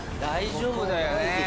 大丈夫だよね？